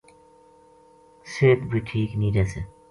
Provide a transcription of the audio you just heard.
صحت بھی ٹھیک نیہہ رہسے